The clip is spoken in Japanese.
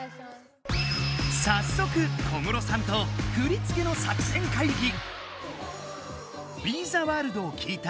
さっそく小室さんと振り付けの作戦会議！